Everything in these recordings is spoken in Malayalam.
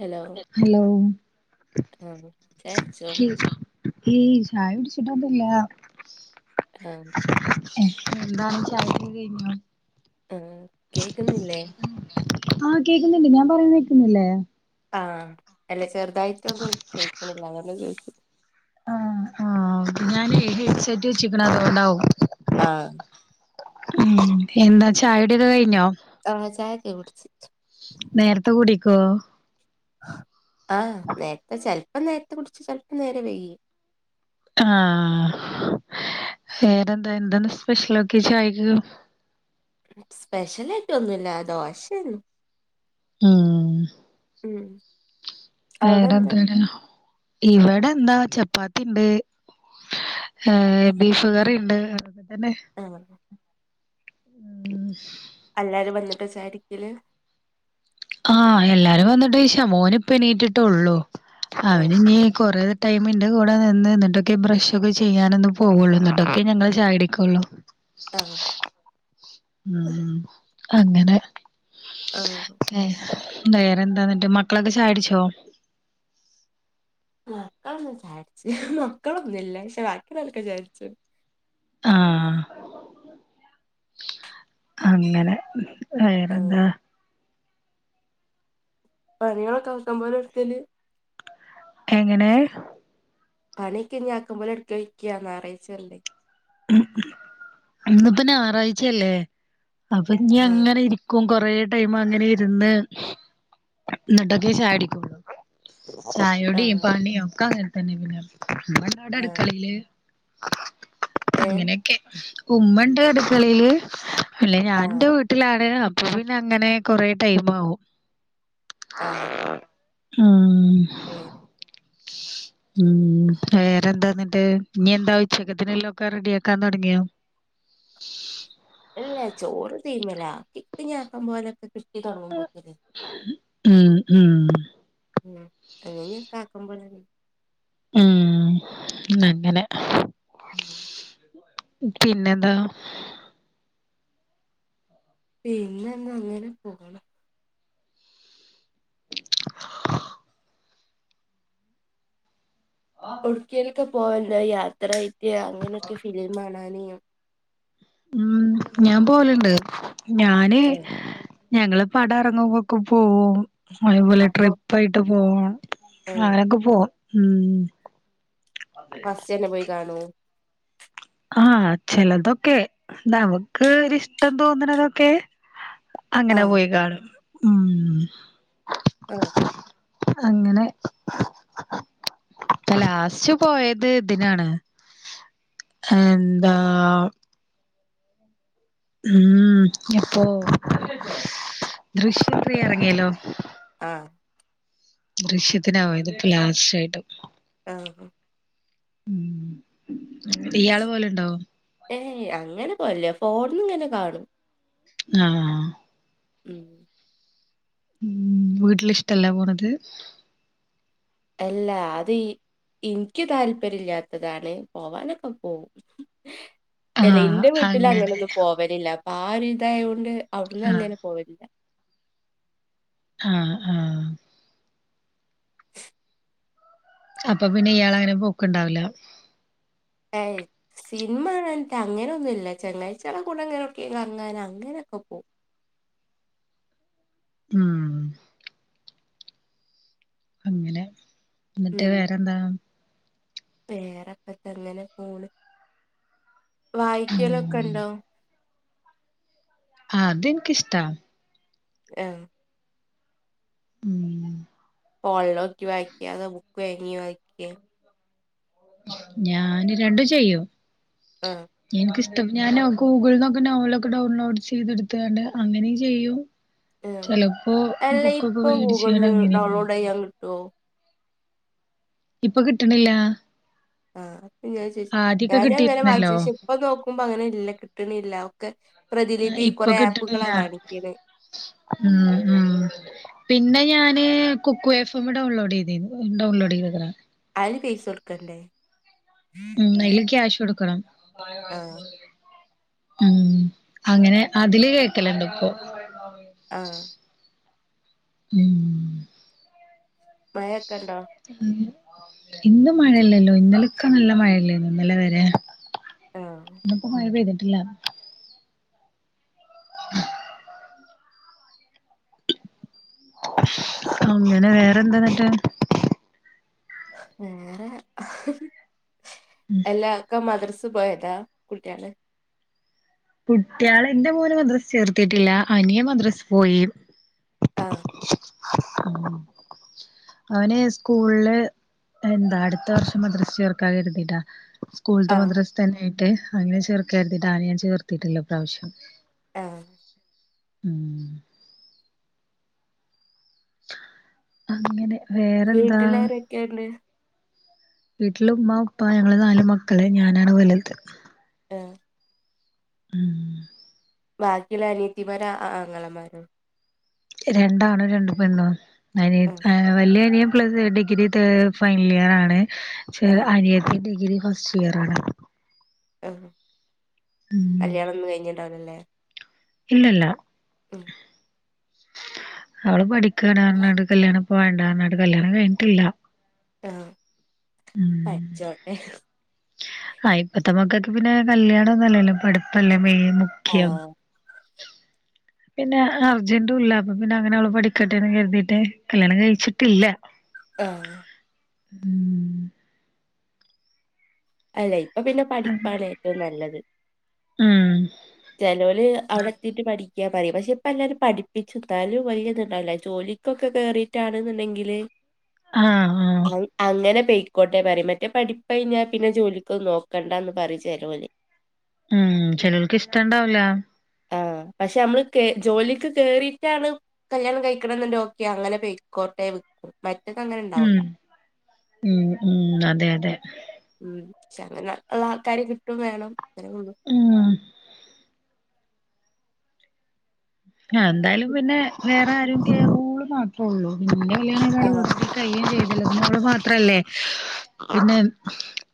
Hello hello? ആഹ് ചായ കുടിച്ചോ [unintelligible] ഈ ചായ കുടിച്ചിട്ടൊന്നുല്ല. ആഹ് എന്താണ് ചായുടി ഒക്കെ കഴിഞ്ഞോ? ആ കേക്കുന്നില്ലേ? ആഹ് കേക്കുന്നുണ്ട് ഞാൻ പറയുന്ന കേക്കുന്നില്ലേ? ആഹ അല്ലചെറുതായിട്ടൊന്നും കേക്കണില്ല. അത ചോദിച്ചേ? ആഹ് ആഹ് ഞാന് ഹെഡ് സെറ്റ് വെചിക്കണഅതോണ്ടാവും ആഹ് ഉം എന്താ ചായയുടി ഒക്കെ കഴിഞ്ഞോ? ആഹ ചായക്കെ കുടിച്ചു. നേരത്തെ കുടിക്കോ? ആഹ് നേരത്തെ ചെലപ്പം നേരത്തെ കുടിച്ചും ചെലപ്പം നേരെ വൈകും. ആഹ് വേറെന്താ എന്തന്ന് സ്പെഷ്യലൊക്കെ ചായക്ക്? സ്പെഷ്യൽ ആയിട്ട് ഒന്നുല്ല ദോശ ണ്ട് ഉം മ് വേറെന്താണ് ഇവടെ എന്താ ചപ്പാത്തിണ്ട് ഏഹ് ബീഫ് കറി ണ്ട് അങ്ങനെ ആഹ് ഉം അല്ലാരും വന്നിട്ട ചായ കുടിക്കല്? ആഹ് എല്ലാരും വന്നിട്ട് ശേഷമോൻ ഇപ്പ എണീറ്റിട്ടള്ളു. അവന് ആഹ് ഇനി കൊറേ ടൈം ന്റെ കൂടെ നിന്ന് എന്നിട്ടൊക്കെ ബ്രഷ് ഒക്കെ ചെയ്യാന ഒന്ന് പോവുള്ളൂ. എന്നിട്ടൊക്കെ ഞങ്ങൾ ചായ കുടിക്കുള്ളു. [inaudible] ആഹ. ഉം അങ്ങനെ ആഹ് ഏഹ്, വേറെന്താന്നിട്ട് മക്കളൊക്കെ ചായ ടിച്ചോ മക്കളൊന്നും ചായടിച്ച് മക്കളൊന്നുംല്ല പക്ഷെ ബാക്കി ഉള്ളോലൊക്കെ ചായടിച്ചു ആഹ് അങ്ങനെ ആഹ് വേറെന്താ പണികളൊക്കെ ആകാംപോലെ എടുക്കല് എങ്ങനെ പണിയൊക്കെ ആക്കമ്പോലെ എടുക്ക [unintelligible] ഞാറാഴച്ചല്ലേ ഇന്ന് പ്പം ഞായറാഴ്ചയല്ലേ. അപ്പൊ ഇഞ് ആഹ് അങ്ങനെ ഇരിക്കും കൊറേ ടൈം അങ്ങനെ ഇരുന്ന് എന്നിട്ടൊക്കെ ചായടിക്കുള്ളൂ. ചായോടിയും ആഹ് പണിയും ഒക്കെ അങ്ങന തന്നെ. പിന്നെ ഇമ്മ ഉണ്ട് അവിടെ ആഹ് അടുക്കളയില് ആ [unintelligible] ഏഹ് അങ്ങനെയൊക്കെ. ഉമ്മണ്ട് അടുക്കളയില് അല്ല ആഹ് ഞാൻന്റെ വീട്ടിലാണ് ഇപ്പം പിന്നെ അങ്ങനെ കൊറെ ടൈം ആവും. ആഹ് ഏഹ് ഉം വേറെന്താ എന്നിട്ട് ഇനി എന്താ ഉച്ചക്കത്തിനേല്ലോം ഒക്കെ റെഡിയാക്കാൻ തൊടങ്ങിയോ അല്ല ചോറ് തീമല. [unintelligible] ഇനി ആകമ്പോലെ കിട്ടി തൊടങ്ങുമ്പോത്തിന് ഉം ഉം ഉം അത് എനിക്ക് ആകൂമ്പോലെണ്. ഉം അങ്ങനെ ഉം പിന്നെന്താ പിന്നെന്ന് അങ്ങനെ പോണ് ഇടുക്കിയിലൊക്കെ പോകാ.. യാത്രയയിട്ട് അങ്ങനെയൊക്കെ ഫിലിം കാണാന് ഉം ഞാൻ പോകലണ്ട്. ഞാന് ഏഹ് ഞങ്ങള് പടം അറങ്ങുമ്പൊക്കെ പോവും. അതേപോലെ അപ്പൊ ട്രിപ്പ ആയിട്ട് പോവും ഏഹ് അങ്ങനെയൊക്കെ പോവും ഉം ഫസ്റ്റ് തന്നെ പോയി കാണോ ആഹ ചെലതൊക്കെ. നമുക്ക് ഒരിഷ്ടം തോന്നണതൊക്കെ അങ്ങനെ ആഹ് പോയി കാണും ഉം. ആഹ് അങ്ങനെ ഇപ്പോ ലാസ്റ്റ് പോയത് ഇതിനാണ് എന്താ ഉം ഇപ്പോ ദൃശ്യം ത്രീ ഇറങ്ങിയല്ലോ ആഹ് ദൃശ്യത്തിനാ പോയത് ഇപ്പോ ലാസ്റ്റാ യിട്ട് ആഹ് ഉം. ഇയാൾ പോൽ ഉണ്ടോ ഏയ് അങ്ങനെ പോകലില്ല ഫോണിന്ന് ഇങ്ങനെ കാണും ആഹ് ഉം ഉം വീട്ടില് ഇഷ്ടല്ല പോണത് അല്ല അത് ഇൻക്ക് താല്പര്യ ഇല്ലാത്തതാണ്. പോവാനൊക്കെ പോവും അല്ല ആഹ് എന്റെ വീട്ടിൽ അങ്ങനെ അങ്ങനെന്നും പോവലില്ല. അപ്പൊ ആ ഒരു ഇതായൊണ്ട് അവിടന്നന്ന് ആഹ് അങ്ങനെ പോകലില്ല ആഹ ആഹ അപ്പൊ പിന്നെ ഇയാള് അങ്ങനെ പോക്ക്ണ്ടാവ്വൂല്ല. [unintelligible] സിനിമ കാണാൻത്താ അങ്ങനൊന്നുല്ല ചങ്ങാഴ്ചെള കൂടെങ്ങനൊട്ക്കേലും ഇങ്ങനെ കറ്ങ്ങാനൊ അങ്ങനൊക്കെ പോവും. ഉം.. അങ്ങനെ എന്ന്ട്ട് വേറെന്താ? വേറെപ്പത്ത ങ്ങനെ പോണ്. വായിക്കലൊക്കെ ണ്ടോ? ആഹ അതിൻക്ക്ഷ്ട്ടാ [unintelligible] മ ഫോൺലോക്കി വായിക്കെ അതോ ബുക്ക് വേങ്ങി വായി ഞാന് രണ്ടും ചെയ്യും. ആഹ് എനിക്ക് ഇഷ് തും. ഞാന് ഗൂഗിൾന്നൊക്കെ ഡൗൺൽ ഒക്കെ ഡൗൺലോഡ് ചെയ്ത്ട്ത്ത് കാണ്ട് അങ്ങനിം ചെയ്യും. ആഹ്. ചെലപ്പോ അല്ല ബുക്കൊക്കെ ഇപ്പൊ വേട്‌ ച്ചാണ്ട് ഗൂഗിൾന്ന് അങ്ങനെ ഡൗൺലോഡ് [unintelligible] [unintelligible] ഇപ്പൊ കിട്ടണില്ലാ. ആഹ, [unintelligible] ഞാന ങ്ങനെ വ കിട്ടിയിരുന്നല്ലോ [unintelligible] ഇപ്പ നോക്കു നോക്കുമ്പോ അങ്ങനെ ഇല്ല കിട്ട്ണ്ല്ല ഒക്കെ ആ, പ്രതിലിപി ഇപ്പൊ കൊറേ ആപ്പുകളാ കിട്ടണില്ല കാണിക്ക് ണേ ഉം ഉ പിന്നെ ഞാന് കുക്കു എഫെമ്മ് ഡൗൺലോഡെയ്തീന്നു ഡൗൺലോഡ് ചെയ്തത്ര അയില് ഫീസൊട്‌ക്കണ്ടേ? ഉം അയില് ക്യാഷ് കൊടുക്കണം ആഹ് ഉം.. അങ്ങനെ അതില് ക്കലണ്ട്പ്പൊ. ആഹ ഉം മഴക്കെണ്ടോ? ഇന്ന് മഴല്ലല്ലോ ഇന്നലൊക്കെ നല്ല മഴല്ലേ ന്നോ ഇന്നലെ വരെ? ആഹ് ഇന്ന്പ്പം മഴ പെയ്തിട്ടില്ല [inaudible] അങ്ങനെ വേറെന്താന്ന്ട്ട്? [unintelligible] എല്ലാ ക്ക മദ്രസ് പോയതാ കുളിക്കാതെ. കുട്ട്യാള് ഇന്റെ മോനെ മദ്രസ് ചേർത്തിട്ടില്ല അനിയൻ മദ്രസ് പോയി ആഹ് [inaudible] അവന് സ്കൂളില് എന്താ അടുത്ത വർഷം മദ്രസ് ചേർക്കാ കെര്തിട്ടാ സ്കൂൾത്തെ ആഹ് മദ്രസ്ഥതന്നായിട്ട് അങ്ങനെ ചേർക്കാര്ത്തിട്ടാ അവനെ ഞാൻ ചേർത്തിട്ടില്ലാ ഇപ്രാവശ്യം [unintelligible] ഉം അങ്ങനെ വേറെന്താ വീട്ടിലാരൊക്കേണ്ട്? വീട്ടില് ഉമ്മ, ഉപ്പ, ഞങ്ങള് നാല് മക്കള്. ഞാനാണ് വല്ത്. [unintelligible] [unintelligible] ബാക്കിയുള്ള അനിയത്തിമാര അ ആങ്ങളമാരു രണ്ടാണും രണ്ട് പെണ്ണും അനിയ ആഹ് ഏഹ് വല്ല്യനിയൻ പ്ലസ് ഡിഗ്രി ത് ഫൈനല് ഇയറ് ആണ്. ക്ഷെ ആഹ് അനിയത്തി ഡിഗ്രി ഫസ്റ്റ് ഇയറാണ്. ആഹ് ഉം കല്യാണാന്നും കഴിഞ്ണ്ടാവൂലല്ലേ? ഇല്ലല്ല. ഉഹ അവള് പഠിക്കാണ് പറഞ്ഞാണ്ട് കല്ല്യാണം ഇപ്പൊ വേണ്ടാന്ന് പറഞ്ഞാണ്ട് കല്ല്യാണം കഴിഞ്ഞിട്ടില്ല. ആഹ് പഠിച്ചോട്ടെ ആഹ് ഇപ്പത്തെമക്കക്കൊക്കെ പിന്നെ കല്ല്യാണോന്നല്ലല്ലോ പഠിപ്പല്ലേ മെയിൻ മുഖ്യം. ആഹ് [unintelligible] പിന്നെ അർജന്റും ഇല്ല അപ്പൊ പിന്നെ അങ്ങനെ അവള് പഠിക്കട്ടെന്ന് കരുതിയിട്ട് കല്യാണം കഴിച്ചിട്ടില്ല. ആഹ് ഉം അല്ലെ ഇപ്പൊ പിന്നെ അങ്ങനെ പഠിപ്പാണ് ഏറ്റവും നല്ലത്. ഉം ചിലോല് അവിടെ എത്തീട്ട് പഠിക്കാന്ന് പറയും. പക്ഷെ, ഇപ്പ എല്ലാരും പഠപ്പിച്ചും ഇന്നാലും വല്ല്യേഇത് ഉണ്ടാവില്ല ജോലി കൊക്കെ കേറിട്ടാണ്ന്ന്ണ്ടെങ്കില് ആഹ് ആഹ് അങ്ങനെ പെയിക്കോട്ടെ പറിം മറ്റേ പഠിപ്പയിഞ്ഞാ പിന്നെ ജോലിക്കൊന്നും നോക്കണ്ടാന്ന്‌ പറിം ചേലോല് ഉം ചെലോൽക്ക് ഇഷ്ട്ടാണ്ടാവുല്ല ആഹ് പക്ഷെ നമ്മള് ജോലിക്ക് കേറീട്ടാണ് കല്യാണം കഴിക്കണന്നുണ്ട് ഓക്കേ അങ്ങനെ പെയിക്കോട്ടെ വി മറ്റതങ്ങനെ ഉണ്ടാവൂല ഉം ഉം ഉം അതെ അതെ ഉം പക്ഷെ അങ്ങനെ ഉള്ള ആൾക്കാരെ കിട്ടും വേണം അത്രെ ഒള്ളു ആഹ് ആഹ് എന്തായാലും പിന്നെ വേറെ ആരുംക്കെ ഓള് മാത്രേള്ളൂ ഇന്റെ കല്യാണം ആഹ്. കയയും ചെയ്തല്ലോ പിന്നെ ഓള് മാത്രല്ലെ പിന്നെ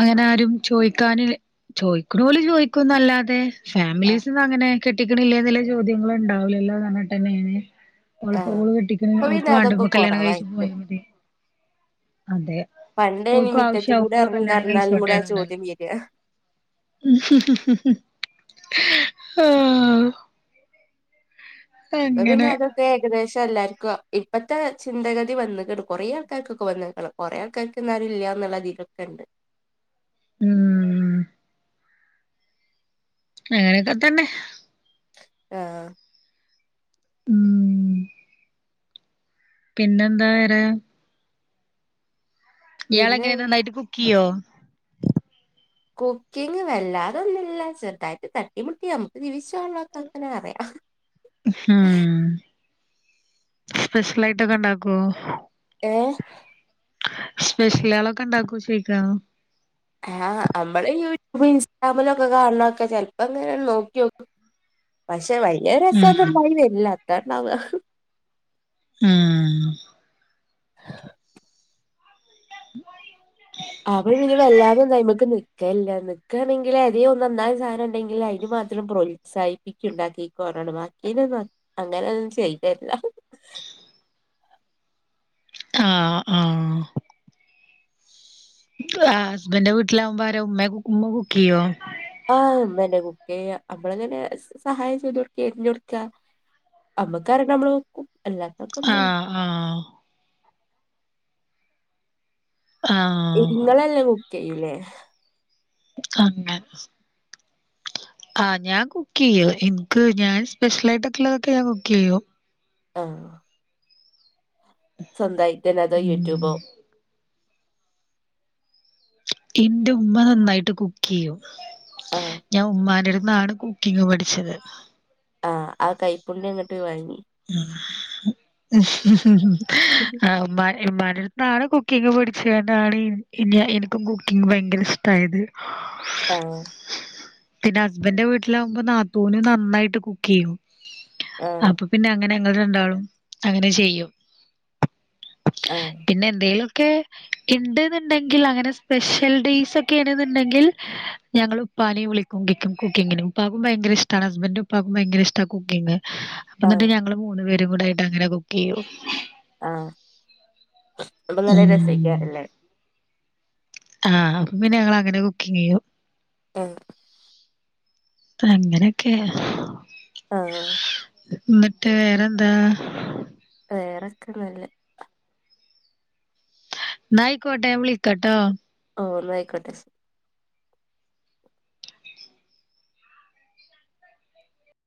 അങ്ങനെ ആരും ചോയിക്കാന് ചോയ്ക്കണോല് ചോയ്ക്കുംന്നല്ലാതെ ആഹ് ഫാമിലീസ്ന്ന് അങ്ങനെ കെട്ടിക്കണില്ലേന്ന്ള്ള ചോദ്യങ്ങള് ഉണ്ടാവില്ലല്ലോന്ന് പറഞ്ഞിട്ടേന്നേണ് ഓളപ്പോ ആഹ് കെട്ടിക്കണത് ഇപ്പൊ ഓൾക്ക് പിന്നെ അതൊക്കെ വേണ്ടപ്പോ കല്ല്യാണം കഴിച്ച് കൊറവായിരിക്കും പോയാമതി അതെ പണ്ട് ഇനി ഓൾക്കും മിറ്റത്ത് ആവശ്യ കൂടെ ആവുമ്പോൾ ഓള് എറങ്ങി കല്യാണം നടന്നാലും കൂടെ ആ കഴിച്ചോട്ടേന്ന് ചോദ്യം വരിക ആഹ് അങ്ങനെ [unintelligible] ഇപ്പൊ ഏകദേശം എല്ലാവർക്കും ഇപ്പഴത്തെ ചിന്തഗതി വന്ന്ക്ക്ണ് കുറേ ആൾക്കാർക്കൊക്കെ വന്ന്ക്കണം കൊറേ ആൾക്കാർക്ക്ന്നാലും ഇല്ല എന്നുള്ള അതിലൊക്കെ ഉണ്ട് ഉം അങ്ങനെയൊക്കെ തന്നെ ആഹ് ഉം പിന്നെന്താ വേറെ പിന്നെ ഇയാളെങ്ങനെ നന്നായിട്ട് കുക്ക് ചെയ്യോ? കുക്കിങ്ങ് വല്ലാതൊന്നുമില്ല ചെറുതായിട്ട് തട്ടിമുട്ടി നമുക്ക് ജീവിച്ചോവള്ള അത്രെ അറിയാം ഹം സ്പെഷ്യലായിട്ടൊക്കെ ഇണ്ടാക്കോ? ഏഹ് സ്പെഷ്യലാളൊക്കെ ഇണ്ടാക്കോന്ന് ചോയിക്കാ? ആഹ് നമ്മള് യൂട്യൂബ് ഇൻസ്റ്റാഗ്രാമിലോക്കെ കാണുന്നൊക്കെ ചെൽപ്പോ ഇങ്ങനൊക്കങ്ങട്ട് നോക്കിയോക്കും. പക്ഷെ വലിയ ഉം രസൊന്നും ഇണ്ടായിവരില്ല അതാണ്ടാവ ഉം ഉം ആ [inaudible] അവൻ പിന്നെ വല്ലാതൊന്നും അയിമക്ക് നിക്കൽല്ല നിക്കാണെങ്കില് ഏതേലും ഒന്ന് നന്നായ സാധനം ഉണ്ടെങ്കിൽ അയിനുമാ രും പ്രോത്സാഹിപ്പിക്കും ഉണ്ടാക്കിക്കോർണാണ്ട് ബാക്കിനൊന്നും അങ്ങനെ ഒന്നും ചെയ്തരില്ല. ആഹ് ആഹ് ആഹ് ഹസ്ബെന്റിന്റെ വീട്ടിലാവുമ്പോ ആരാ ഉമ്മ ഉമ്മ കുക്ക്ചെയ്യൊ ആഹ് ഉമ്മെന്നേ കുകീയ്യാ. നമ്മളങ്ങനെ സഹായം ചെയ്ത് കൊടുക്ക അരിഞ്ഞ് കൊടുക്ക നമുക്കറിണ നമ്മൾ വെക്കും അല്ല ആഹ് ആഹ്. ആഹ്. ഇങ്ങളെല്ല കുക്ക് ചെയ്യൂലേ? [unintelligible] ആ ഞാൻ കുക്ക് ചെയ്യു ഇൻക്ക് ഞാൻ സ്പെഷ്യൽ ആായിട്ടൊക്കെള്ളതൊക്കെ ഞാൻ കുക്ക് യ്യും. ആഹ്. സ്വന്തായിട്ടന്നെ അതോ, ഉം യൂറ്റൂബോ? ഇന്റുമ്മ, നന്നായിട്ട് കുക്ക് ചെയ്യും. ആഹ് ഞാൻ ഉമ്മാന്റെടുത്തുന്നാണ് കുക്കിങ് പഠിച്ചത്. ആ ആ കൈപ്പുണ്ണ്യങ്ങ്ട്ട് വാങ്ങി. [unintelligible] ആ ഉമ്മാനെ ഇമ്മാന്റെടുത്താണ് കുക്കിങ് പഠിച്ചാണ്ടാണ് ഇൻ എനി എനിക്കും കുക്കിങ് ഭയങ്കര ഇഷ്ടായത്. ആഹ്. പിന്നെ ഹസ്ബന്റിന്റെ വീട്ടിൽ ആവുമ്പോൾ നാത്തുന് നന്നായിട്ട് കുക്ക് ചെയ്യും ആഹ് അപ്പൊ പിന്നെ അങ്ങനെ ങ്ങൾ രണ്ടാളും അങ്ങനെ ചെയ്യും. ആഹ് പിന്നെ എന്തെങ്കിലും ഒക്കെ ഇണ്ട്ന്നുണ്ടെങ്കിൽ അങ്ങനെ സ്പെഷ്യൽ ഡെയ്സ്ഒക്കെ ആണെന്നുണ്ടെങ്കിൽ ഞങ്ങള് ഉപ്പാനെ വിളിക്കും കുക്കിങ്ങിനും ഉപ്പക്കും ഭയങ്കര ഇഷ്ടമാണ് ഹസ്ബൻഡു ഉപ്പാക്കും ഭയങ്ക ഇഷ്ടമാണ് കുക്കിംഗ് എന്നിട്ട് ആഹ് ഞങ്ങൾ മൂന്ന് പേരും കൂടെ അങ്ങനെ കുക്ക് ചെയ്യും ആ അപ്പം നല്ല ഉം രസേയ്ക്കാരം ല്ലേ? ആഹ് പിന്നെ ഞങ്ങൾ അങ്ങനെ കുക്കിങ് ചെയ്യും ആഹ് അങ്ങനെക്കെ ആഹ് ന്നിട്ട് വേറെന്താ? വേറൊക്കെ ഒന്നുമില്ല ന്നായ്ക്കോട്ട ഞാൻ വിളിക്കട്ടോ? ഓ എന്നായിക്കോട്ടെ